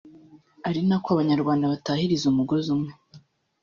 ari na ko abanyarwanda batahiriza umugozi umwe